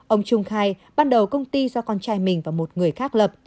ông trung khai ban đầu công ty do con trai mình và một người khác lập